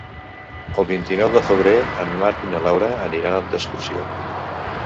El vint-i-nou de febrer en Marc i na Laura aniran d'excursió.